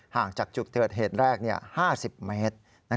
ห่างจากจุดเกิดเหตุแรก๕๐เมตร